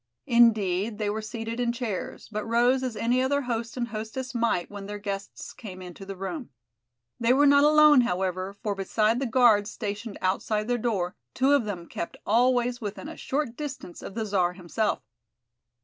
Indeed, they were seated in chairs, but rose as any other host and hostess might when their guests came into the room. They were not alone, however, for beside the guards stationed outside their door, two of them kept always within a short distance of the Czar himself.